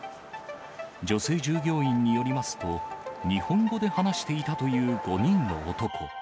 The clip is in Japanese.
女性従業員によりますと、日本語で話していたという５人の男。